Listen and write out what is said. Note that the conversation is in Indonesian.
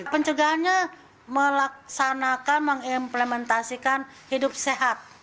pencegahannya melaksanakan mengimplementasikan hidup sehat